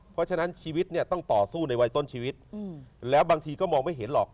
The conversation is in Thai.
เพราะฉะนั้นชีวิตเนี่ยต้องต่อสู้ในวัยต้นชีวิตแล้วบางทีก็มองไม่เห็นหรอก